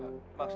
bersama pak haji